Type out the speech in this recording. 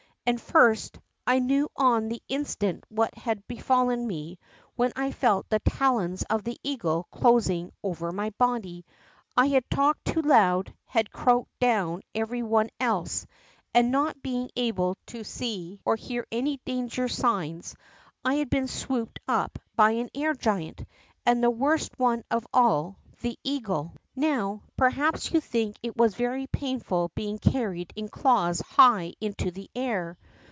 And first, I knew on the instant what had befallen mei, when I felt the talons of the eagle closing over my body. I had talked too loud, had croaked down every one else, and not being able to see or Fear any danger signs, had been swooped upon by an air giant, and the worst one of all, the eagle. 54 THE ROCK FROG perhaps, you think it was very painful being carried in claws high into the air.